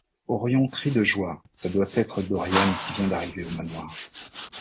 Orion crie de joie : ce doit être Dorian qui vient d’arriver au Manoir.